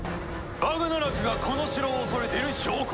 バグナラクがこの城を恐れている証拠！